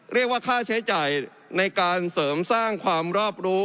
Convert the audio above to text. เรียกว่าค่าใช้จ่ายในการเสริมสร้างความรอบรู้